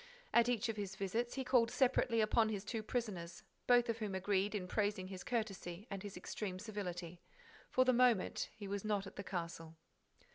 At each of his visits, he called separately upon his two prisoners, both of whom agreed in praising his courtesy and his extreme civility. For the moment, he was not at the castle.